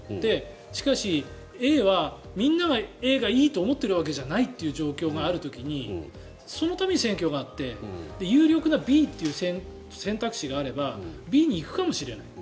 しかし、ＡはみんながＡがいいと思っているわけじゃないと思っている状況の時にそのために選挙があって有力なＢという選択肢があればＢに行くかもしれない。